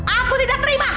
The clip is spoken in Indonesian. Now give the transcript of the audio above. aku tidak terima